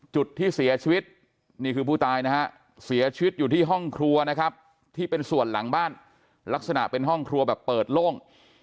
ชีวิตอยู่ที่ห้องครัวนะครับที่เป็นส่วนหลังบ้านลักษณะเป็นห้องครัวแบบเปิดโล่ง